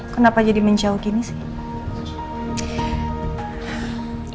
kenapa jadi menjauh gini sih